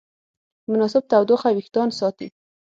مناسب تودوخه وېښتيان ساتي.